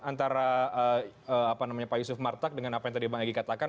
antara pak yusuf martak dengan apa yang tadi bang egy katakan